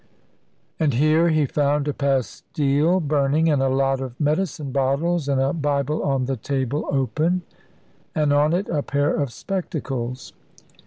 And here he found a pastille burning, and a lot of medicine bottles, and a Bible on the table open, and on it a pair of spectacles.